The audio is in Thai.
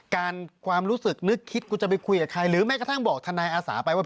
ความรู้สึกนึกคิดกูจะไปคุยกับใครหรือแม้กระทั่งบอกทนายอาสาไปว่า